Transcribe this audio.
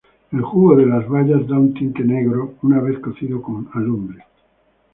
El jugo de las bayas da un tinte negro una vez cocido con alumbre.